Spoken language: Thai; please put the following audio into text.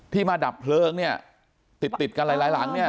มาดับเพลิงเนี่ยติดติดกันหลายหลังเนี่ย